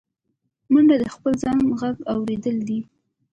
منډه د خپل ځان غږ اورېدل دي